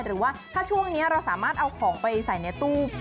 หรือว่าถ้าช่วงนี้เราสามารถเอาของไปใส่ในตู้